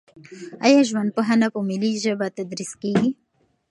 آیا ژوندپوهنه په ملي ژبه تدریس کیږي؟